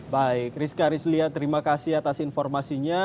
baik rizka rizlia terima kasih atas informasinya